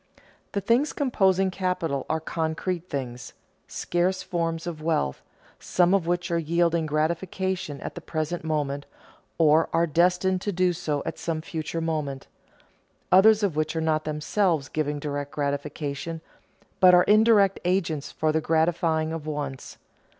The things composing capital are concrete things, scarce forms of wealth, some of which are yielding gratification at the present moment, or are destined to do so at some future moment; others of which are not themselves giving direct gratification, but are indirect agents for the gratifying of wants.